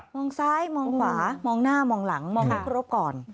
มองซ้ายมองขวามองหน้ามองหลังมองไม่ครบก่อน